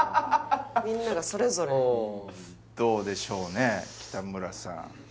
みんながそれぞれどうでしょうね北村さん